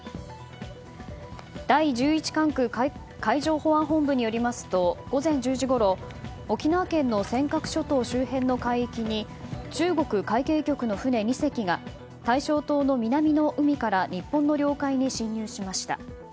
第１１管区海上保安本部によりますと午前１０時ごろ沖縄県の尖閣諸島周辺の海域に中国海警局の船２隻が大正島の南の海から日本の領海に侵入しました。